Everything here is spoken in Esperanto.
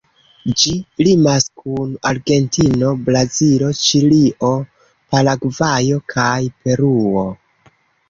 Ĝi limas kun Argentino, Brazilo, Ĉilio, Paragvajo kaj Peruo.